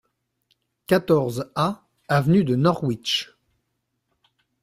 quatorze A avenue de Northwich